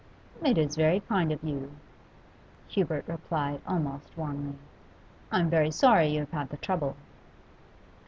'It is very kind of you,' Hubert replied almost warmly. 'I'm very sorry you have had the trouble.